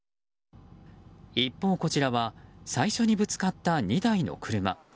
一方、こちらは最初にぶつかった２台の車。